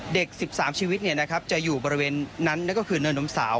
๑๓ชีวิตจะอยู่บริเวณนั้นนั่นก็คือเนินนมสาว